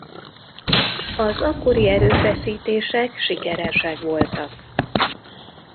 Az akkori erőfeszítések sikeresek voltak.